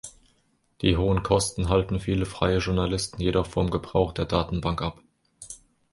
Die hohen Kosten halten viele freie Journalisten jedoch vom Gebrauch der Datenbank ab.